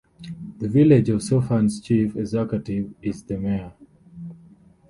The Village of Suffern's chief executive is the mayor.